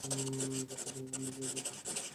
তার প্রথম উপন্যাস "যযাতি"।